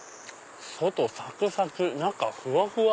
外サクサク中ふわふわ。